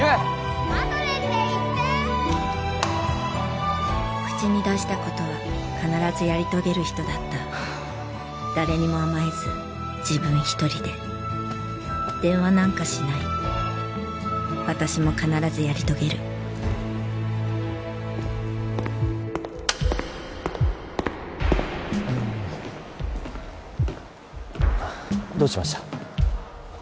あとでって言って口に出したことは必ずやり遂げる人だった誰にも甘えず自分一人で電話なんかしない私も必ずやり遂げるどうしました？